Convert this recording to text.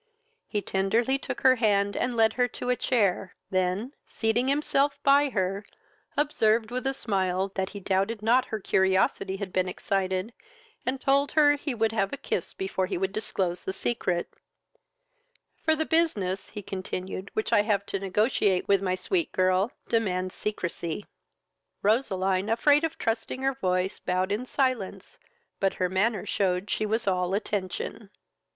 He tenderly took her hand, and led her to a chair; then, seating himself by her, observed with a smile, that he doubted not her curiosity had been excited, and told her he would have a kiss before he would disclose the secret; "for the business (he continued) which I have to negotiate with my sweet girl demands secresy." Roseline, afraid of trusting her voice, bowed in silence, but her manner shewed she was all attention.